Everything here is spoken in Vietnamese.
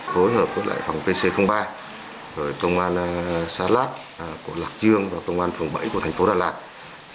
phối hợp với lại phòng pc ba công an xa lát của lạc trương và công an phường bảy của thành phố đà lạt